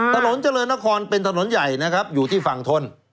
ถนนเจริญนครเป็นถนนใหญ่นะครับอยู่ที่ฝั่งทน